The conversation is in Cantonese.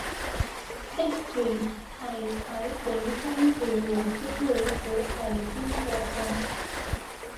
職員係睇本身住戶資料估係邊個中